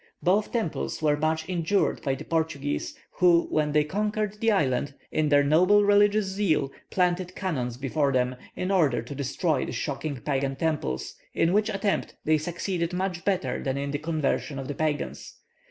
Both temples were much injured by the Portuguese, who, when they conquered the island, in their noble religious zeal planted cannon before them, in order to destroy the shocking Pagan temples; in which attempt they succeeded much better than in the conversion of the Pagans.